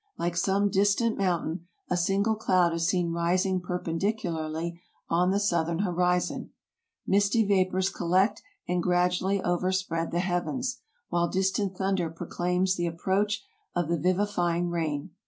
Like some distant moun tain, a single cloud is seen rising perpendicularly on the southern horizon. Misty vapors collect and gradually over spread the heavens, while distant thunder proclaims the ap proach of the vivifying rain.